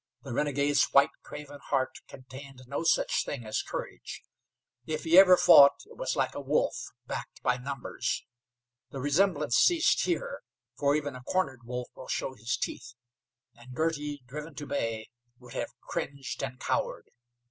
The renegade's white, craven heart contained no such thing as courage. If he ever fought it was like a wolf, backed by numbers. The resemblance ceased here, for even a cornered wolf will show his teeth, and Girty, driven to bay, would have cringed and cowered.